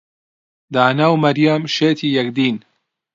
دانا و مەریەم شێتی یەکدین.